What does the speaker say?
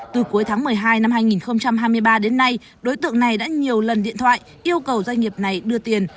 từ cuối tháng một mươi hai năm hai nghìn hai mươi ba đến nay đối tượng này đã nhiều lần điện thoại yêu cầu doanh nghiệp này đưa tiền